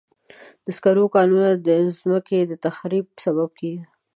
د سکرو کانونه د مځکې د تخریب سبب کېږي.